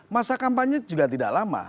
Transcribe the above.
masa kampanye juga tidak lama